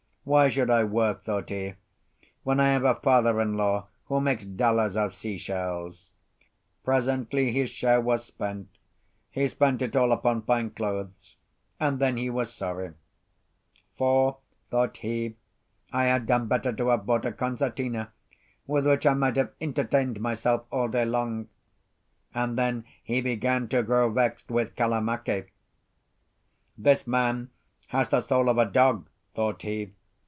"Why should I work," thought he, "when I have a father in law who makes dollars of sea shells?" Presently his share was spent. He spent it all upon fine clothes. And then he was sorry: "For," thought he, "I had done better to have bought a concertina, with which I might have entertained myself all day long." And then he began to grow vexed with Kalamake. "This man has the soul of a dog," thought he.